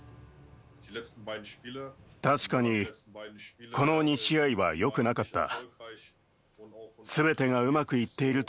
確かにこの２試合は、よくなかった。